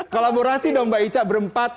kolaborasi dong mbak ica berempat